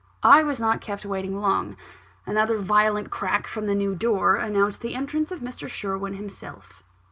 I was not kept waiting long. Another violent crack from the new door, announced the entrance of Mr. Sherwin himself.